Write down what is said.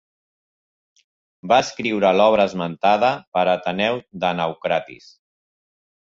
Va escriure l'obra esmentada per Ateneu de Naucratis.